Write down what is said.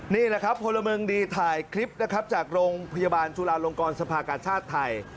นี่แหละครับพลเมืองดีถ่ายคลิปนะครับจากโรงพยาบาลจุลาลงกรสภากาชาติไทย